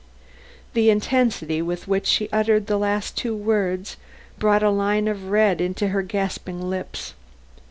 The intensity with which she uttered the last two words brought a line of red into her gasping lips.